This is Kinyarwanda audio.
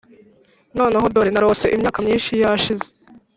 noneho dore! narose imyaka myinshi yashize,